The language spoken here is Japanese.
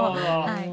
はい。